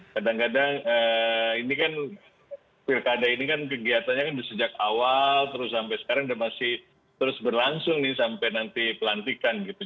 kadang kadang ini kan pilkada ini kan kegiatannya kan sejak awal terus sampai sekarang sudah masih terus berlangsung nih sampai nanti pelantikan gitu